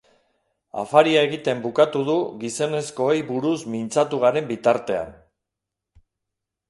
Afaria egiten bukatu du gizonezkoei buruz mintzatu garen bitartean.